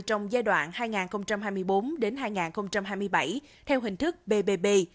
trong giai đoạn hai nghìn hai mươi bốn hai nghìn hai mươi bảy theo hình thức bbb